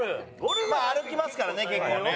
まあ歩きますからね結構ね。